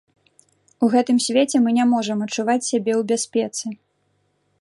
У гэтым свеце мы не можам адчуваць сябе ў бяспецы.